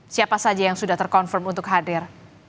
siapa saja yang sudah terkonfirm untuk hadir